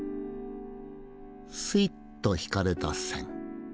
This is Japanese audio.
スイッと引かれた線。